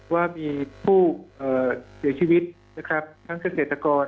ว่ามีผู้เสียชีวิตนะครับทั้งเกษตรกร